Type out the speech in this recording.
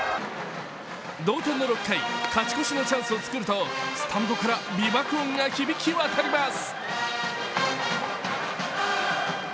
同点の６回、勝ち越しのチャンスを作ると、スタンドから美爆音が響き渡ります。